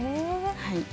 はい。